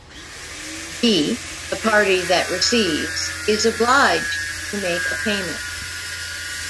B, the party that receives, is obliged to make a payment.